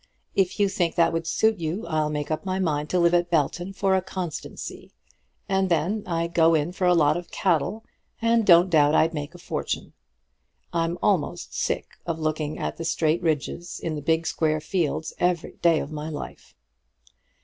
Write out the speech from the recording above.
If you think that would suit you, I'll make up my mind to live at Belton for a constancy; and then I'd go in for a lot of cattle, and don't doubt I'd make a fortune. I'm almost sick of looking at the straight ridges in the big square fields every day of my life.